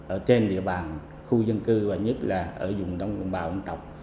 ở trên địa bàn khu dân cư và nhất là ở dùng trong đồng bào dân tộc